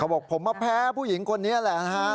บอกผมมาแพ้ผู้หญิงคนนี้แหละนะฮะ